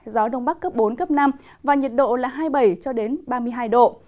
gió đông bắc cấp bốn năm và nhiệt độ là hai mươi bảy ba mươi hai độ